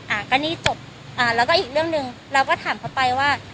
อ่าก็นี่จบอ่าแล้วก็อีกเรื่องหนึ่งเราก็ถามเขาไปว่า